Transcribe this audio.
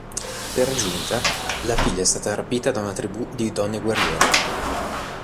Per giunta, la figlia è stata rapita da una tribù di donne guerriere.